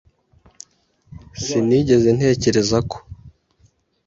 Sinigeze ntekereza ko.